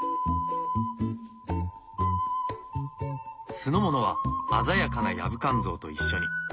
酢の物は鮮やかなヤブカンゾウと一緒に。